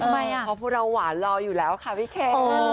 เพราะพวกเราหวานรออยู่แล้วค่ะพี่เคน